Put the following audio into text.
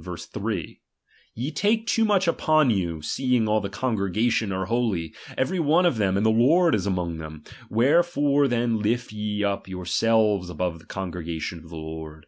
3) : Ye take ^H too much npoji you, seeing all the coiigregatioji ^H are holy, evenj one of tliem^ and the Lord is ^H among them. Wherefore then lift ye up your ^H selves above the congregation of the Lord?